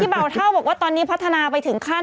เบาเท่าบอกว่าตอนนี้พัฒนาไปถึงขั้น